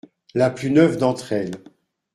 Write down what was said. La plus neuve d’entre elles.